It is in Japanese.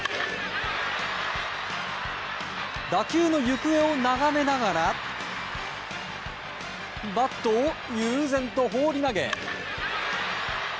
打球の行方を眺めながらバットを悠然と放り投げ。